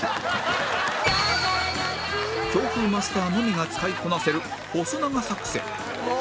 強風マスターのみが使いこなせる細長作戦